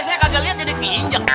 saya kagak lihat jadi ginjak